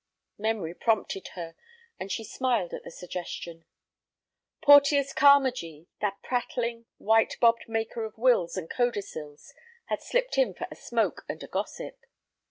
Memory prompted her, and she smiled at the suggestion. Porteus Carmagee, that prattling, white bobbed maker of wills and codicils had slipped in for a smoke and a gossip.